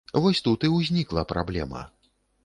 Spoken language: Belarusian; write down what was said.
Вось тут і ўзнікла праблема.